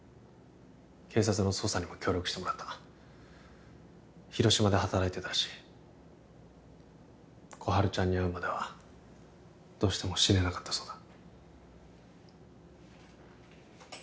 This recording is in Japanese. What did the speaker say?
警察の捜査にも協力してもらった広島で働いてたらしい心春ちゃんに会うまではどうしても死ねなかったそうだ・